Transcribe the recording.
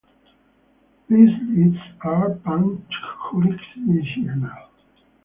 These lists are pan-jurisdictional.